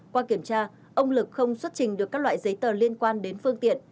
qua kiểm tra ông lực không xuất trình được các loại giấy tờ liên quan đến phương tiện